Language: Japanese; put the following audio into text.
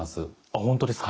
本当ですか？